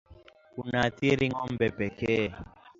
Unaathiri ng'ombe pekee